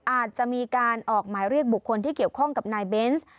อาจจะมีการออกหมายเรียกบุคคลที่เกี่ยวข้องกับนายเบนส์